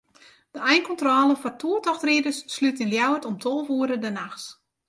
De einkontrôle foar toertochtriders slút yn Ljouwert om tolve oere de nachts.